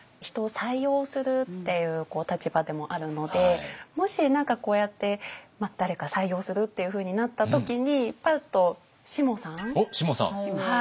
人を採用するっていう立場でもあるのでもし何かこうやって誰か採用するっていうふうになった時にパッとしもさん。